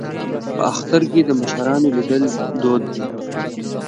په اختر کې د مشرانو لیدل دود دی.